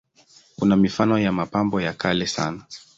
Kuna mifano ya mapambo ya kale sana.